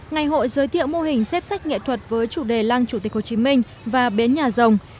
ngày hội giới thiệu mô hình xếp sách nghệ thuật với chủ đề lăng chủ tịch hồ chí minh và bến nhà rồng